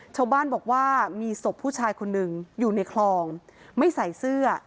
ชาวบ้านบอกว่ามีศพผู้ชายคนหนึ่งอยู่ในคลองไม่ใส่เสื้อ